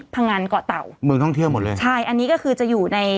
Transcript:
พังอันเกาะเต่าเมืองท่องเที่ยวหมดเลยใช่อันนี้ก็คือจะอยู่ใน